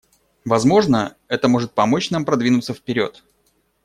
Возможно, это может помочь нам продвинуться вперед.